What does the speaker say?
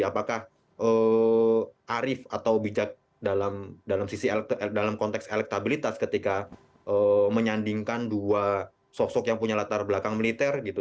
apakah arif atau bijak dalam konteks elektabilitas ketika menyandingkan dua sosok yang punya latar belakang militer gitu